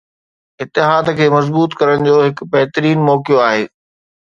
اتحاد کي مضبوط ڪرڻ جو هڪ بهترين موقعو آهي